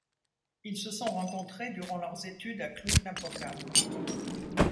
Ils se sont rencontrés durant leurs études à Cluj-Napoca.